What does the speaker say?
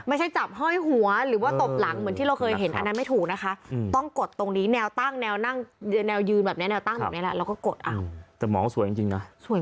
ไม่ใช่จับห้อยหัวหรือว่าตบหลังเหมือนที่เราเคยเห็น